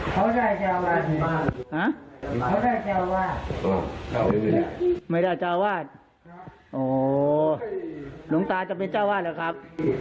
เขาได้เจ้าวาดเขาได้เจ้าวาดไม่ได้เจ้าวาดหลวงตาจะเป็นเจ้าวาดเหรอครับ